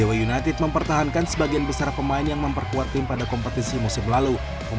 dewa united mempertahankan sebagian besar pemain yang memperkuat tim pada kompetisi musim lalu